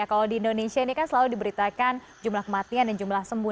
karena selalu diberitakan jumlah kematian dan jumlah sembuh